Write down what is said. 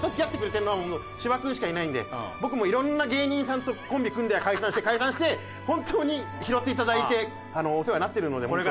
僕もいろんな芸人さんとコンビ組んでは解散して解散して本当に拾っていただいてお世話になってるので本当。